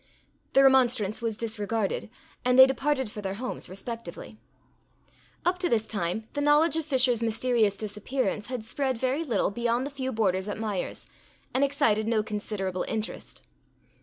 The remonstrance was disregarded, and they departed for their homes respectively. Up to this time, the knowledge of Fisher's mysterious disappearance had spread very little beyond the few boarders at Myers', and excited no considerable interest.